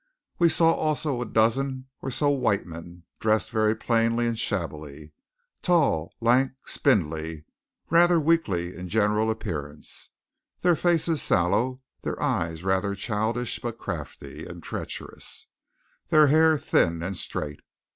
We saw also a dozen or so white men dressed very plainly and shabbily, tall, lank, and spindly, rather weakly in general appearance, their faces sallow, their eyes rather childish but crafty and treacherous, their hair thin and straight.